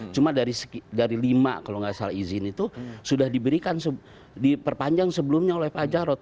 cuma dari lima kalau tidak salah izin itu sudah diberikan diperpanjang sebelumnya oleh pajak roh tiga